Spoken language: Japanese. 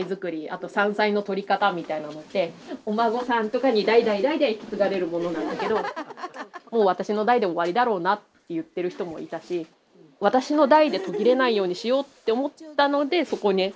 あと山菜の採り方みたいなのってお孫さんとかに代々代々引き継がれるものなんだけど「もう私の代で終わりだろうな」って言ってる人もいたし私の代で途切れないようにしようって思ったのでそこをね